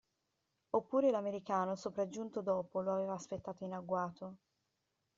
Oppure l'americano, sopraggiunto dopo, lo aveva aspettato in agguato?